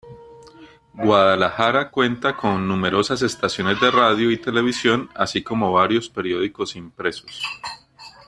Guadalajara cuenta con numerosas estaciones de radio y televisión, así como varios periódicos impresos.